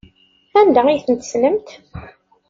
Anda ay tent-tessnemt?